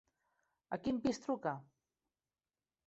A quin pis truca?